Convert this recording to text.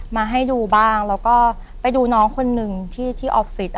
มาให้ดูบ้างแล้วก็ไปดูน้องคนหนึ่งที่ออฟฟิศ